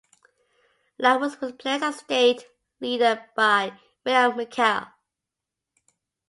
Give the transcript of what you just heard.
Lang was replaced as state leader by William McKell.